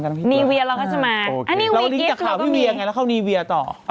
อนี้วันนี้จะข่าวพี่เวียไงแล้วเข้านีเวียต่อ